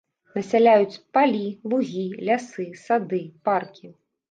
Насяляюць палі, лугі, лясы, сады, паркі.